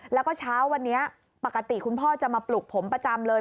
แล้วก็เช้าวันนี้ปกติคุณพ่อจะมาปลุกผมประจำเลย